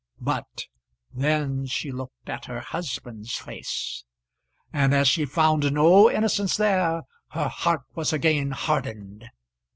But then she looked at her husband's face; and as she found no innocence there, her heart was again hardened.